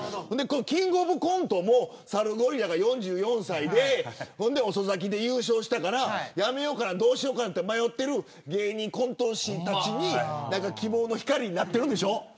キングオブコントもサルゴリラが４４歳で遅咲きで優勝したから辞めようか迷っている芸人コント師たちに希望の光になってるんでしょ。